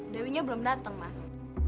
dewinya belum datang mas